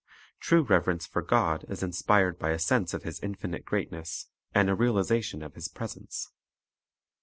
True reverence for God is inspired by a sense of His infinite greatness and a realization of His presence.